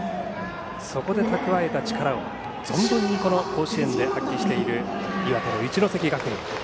そこで蓄えた力を存分に、この甲子園で発揮している岩手の一関学院。